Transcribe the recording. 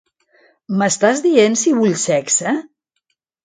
M'estàs dient si vull sexe?